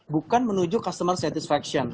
bukan menuju customer satisfaction